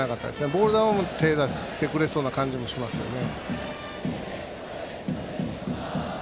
ボール球でも手を出してくれそうな感じしますよね。